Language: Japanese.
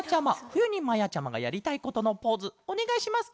ふゆにまやちゃまがやりたいことのポーズおねがいします